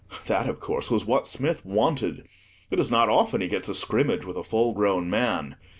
That, of course, was what Smith wanted. It is not often he gets a scrimmage with a full grown man.